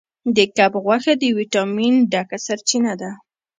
د کب غوښه د ویټامین ډکه سرچینه ده.